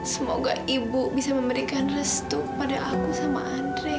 semoga ibu bisa memberikan restu kepada aku sama andre